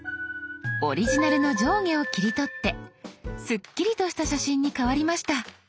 オリジナルの上下を切り取ってすっきりとした写真に変わりました。